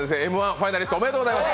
ファイナリスト、おめでとうございます。